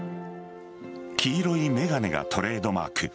黄色い眼鏡がトレードマーク。